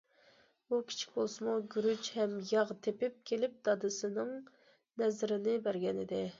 ئۇ كىچىك بولسىمۇ، گۈرۈچ ھەم ياغ تېپىپ كېلىپ دادىسىنىڭ نەزىرىنى بەرگەنىدى.